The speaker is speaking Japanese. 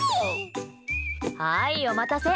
はい、お待たせ。